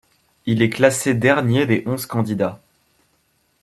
Il est classé dernier des onze candidats.